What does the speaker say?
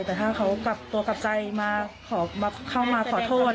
แต่ถ้าเขากลับตัวกลับใจมาเข้ามาขอโทษ